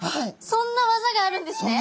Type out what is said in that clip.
そんな技があるんですね。